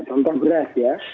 contoh beras ya